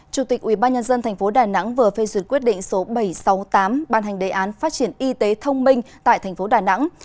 chủ tịch ubnd tp đà nẵng vừa phê duyệt quyết định số bảy trăm sáu mươi tám ban hành đề án phát triển y tế thông minh tại thành phố đà nẵng